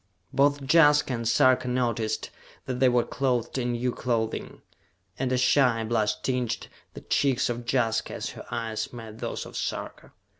Both Jaska and Sarka noticed that they were clothed in new clothing, and a shy blush tinged the cheeks of Jaska as her eyes met those of Sarka.